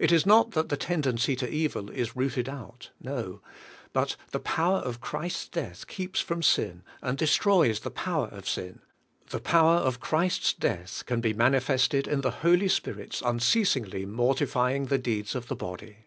It is not that the tendency to evil is rooted out. No; but the power of Christ's death keeps from sin, and destroys the power of sin; the power of Christ's death can be manifested in the Holy Spirit's unceasingly mortifying the deeds of the body.